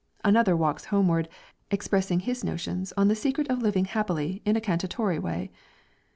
Another walks homeward, expressing his notions on the secret of living happily in a cantatory way.